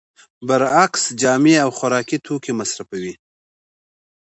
برعکس جامې او خوراکي توکي مصرفوي